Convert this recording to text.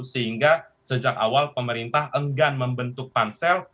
sehingga sejak awal pemerintah enggan membentuk pansel